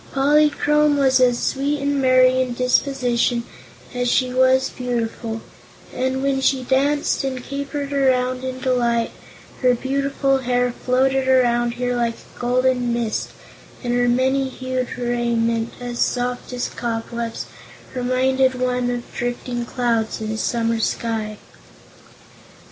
Polychrome was as sweet and merry in disposition as she was beautiful, and when she danced and capered around in delight, her beautiful hair floated around her like a golden mist and her many hued raiment, as soft as cobwebs, reminded one of drifting clouds in a summer sky.